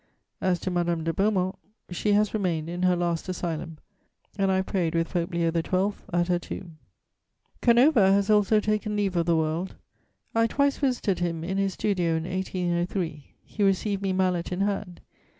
As to Madame de Beaumont, she has remained in her last asylum and I have prayed with Pope Leo XII. at her tomb. Canova has also taken leave of the world. I twice visited him in his studio in 1803; he received me mallet in hand.